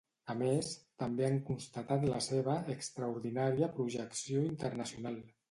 A més, també han constatat la seva ‘extraordinària projecció internacional’.